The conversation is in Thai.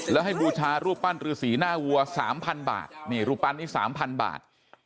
แล้วให้บูชารูปปั้นรือสีหน้าวัว๓๐๐บาทนี่รูปปั้นนี้๓๐๐บาท